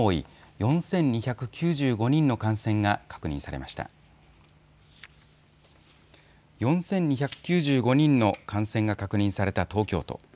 ４２９５人の感染が確認された東京都。